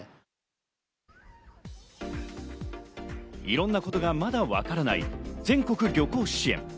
いろんなことがまだわからない、全国旅行支援。